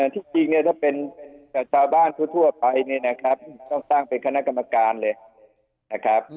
ที่จริงนะที่จะเป็นสาวบ้านทั่วไปเนี่ยกับต้องตั้งก็จะเป็นคณะกรรมการเลย